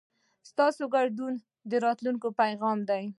ستاسو ګډون د راتلونکي پیغام دی.